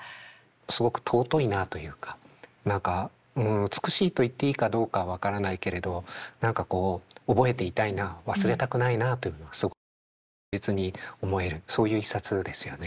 すごく尊いなあというか何かうん美しいといっていいかどうか分からないけれど何かこう覚えていたいなあ忘れたくないなあというのはすごく切実に思えるそういう一冊ですよね。